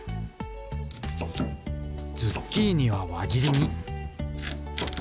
ズッキーニは輪切りに。